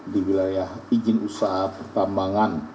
di wilayah izin usaha pertambangan